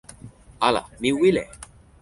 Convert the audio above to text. ala, mi wile!